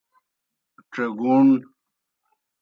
ڇیگُوݨ۔